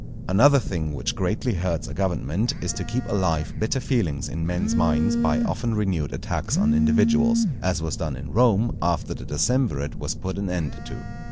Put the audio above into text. Another thing which greatly hurts a government is to keep alive bitter feelings in men's minds by often renewed attacks on individuals, as was done in Rome after the decemvirate was put an end to.